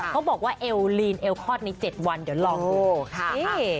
เขาบอกว่าเอลลีนเอลคลอดใน๗วันเดี๋ยวลองดู